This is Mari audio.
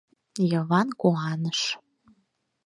Йыван куаныш.